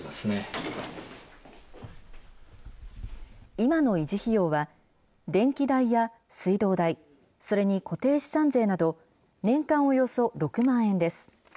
今の維持費用は、電気代や水道代、それに固定資産税など、年間およそ６万円です。